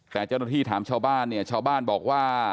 แต่เจ้าหน้าที่ถามชาวบ้านเนี่ยชาวบ้านบอกว่า